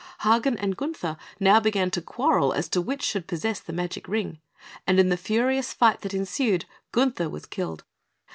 Hagen and Gunther now began to quarrel as to which should possess the magic Ring; and in the furious fight that ensued Gunther was killed.